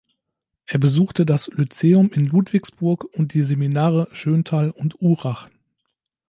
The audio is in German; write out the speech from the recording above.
Er besuchte das Lyzeum in Ludwigsburg und die Seminare Schöntal und Urach.